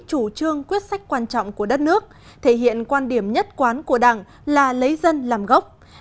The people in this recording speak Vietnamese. chủ trương quyết sách quan trọng của đất nước thể hiện quan điểm nhất quán của đảng là lấy dân làm gốc